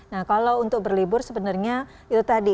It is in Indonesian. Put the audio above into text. nah kalau untuk berlibur sebenarnya itu tadi